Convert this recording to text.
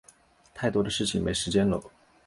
太多的事情没时间搂